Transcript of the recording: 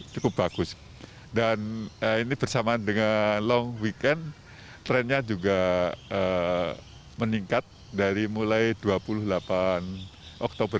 cukup bagus dan ini bersamaan dengan long weekend trennya juga meningkat dari mulai dua puluh delapan oktober